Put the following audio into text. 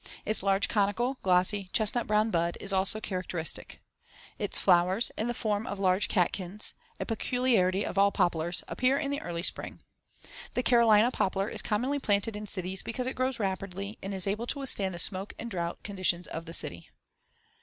Its large, conical, glossy, chestnut brown bud is also characteristic, Fig. 42. Its flowers, in the form of large catkins, a peculiarity of all poplars, appear in the early spring. The Carolina poplar is commonly planted in cities because it grows rapidly and is able to withstand the smoke and drouth conditions of the city.